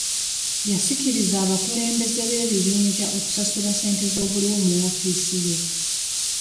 Yasikirizza abakulembeze b'ebibinja okusasula ssente ezoobuliwo mu woofiisi ye.